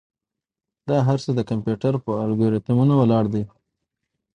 دا هر څه د کمپیوټر پر الگوریتمونو ولاړ دي.